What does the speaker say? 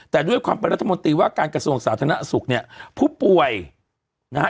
แต่ด้วยความเป็นรัฐมนตรีว่าการกระทรวงสาธารณสุขเนี่ยผู้ป่วยนะฮะ